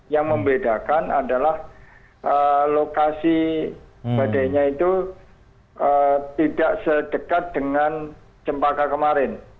yang membedakan adalah lokasi badainya itu tidak sedekat dengan cempaka kemarin